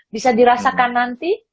bisa dirasakan nanti